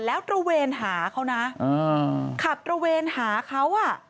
แล้วตระเวนหาเขานะขับตระเวนหาเขาอ่ะ